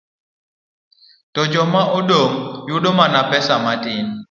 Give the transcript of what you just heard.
to joma odong ' yudo mana pesa matin.